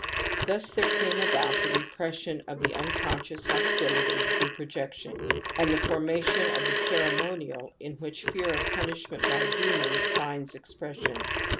Thus there came about the repression of the unconscious hostility through projection, and the formation of the ceremonial in which fear of punishment by de mons finds expression.